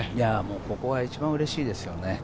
ここは一番うれしいですよね。